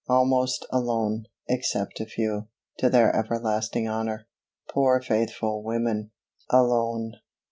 almost alone, except a few to their everlasting honor poor faithful women _alone!